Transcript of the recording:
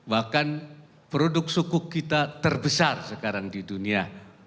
bahkan produk suku kita terbesar sekarang di dunia